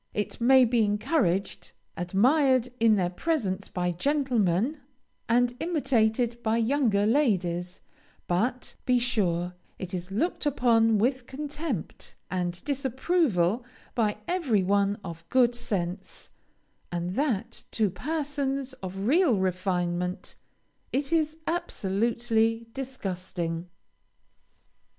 It may be encouraged, admired, in their presence, by gentlemen, and imitated by younger ladies, but, be sure, it is looked upon with contempt, and disapproval by every one of good sense, and that to persons of real refinement it is absolutely disgusting.